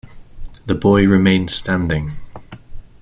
The boy remains standing.